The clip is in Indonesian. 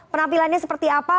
penampilannya seperti apa